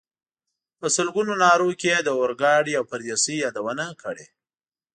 په سلګونو نارو کې یې د اورګاډي او پردیسۍ یادونه کړې.